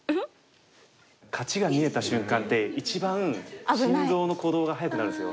勝ちが見えた瞬間って一番心臓の鼓動が速くなるんですよ。